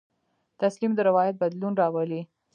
تسلیم د روایت بدلون راولي.